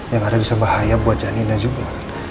ya gak ada yang bisa bahaya buat janina juga